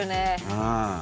うん。